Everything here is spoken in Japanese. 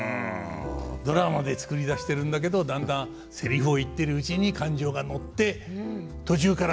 ドラマで作り出してるんだけどだんだんセリフを言ってるうちに感情が乗って途中から。